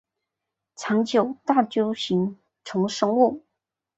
长角大锹形虫生物。